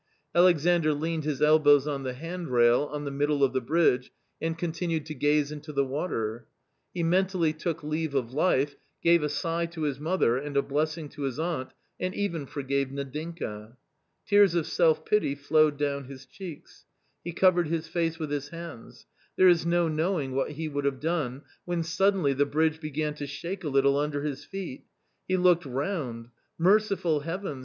Alexandr leaned his elbows on the handrail on the middle of the bridge and continued to gaze into the water. He mentally took leave of life, gave a sigh to his mother, and a blessing to his aunt, and even forgave Nadinka. Tears of self pity flowed down his cheeks, He covered his face with his hands. There is no knowing what he would have done, when suddenly the bridge began to shake a little under his feet ; he looked round ; merciful Heavens